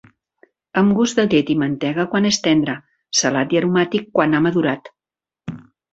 Amb gust de llet i mantega quan és tendre, salat i aromàtic quan ha madurat.